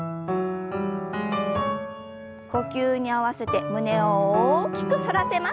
呼吸に合わせて胸を大きく反らせます。